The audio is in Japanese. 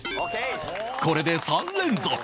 これで３連続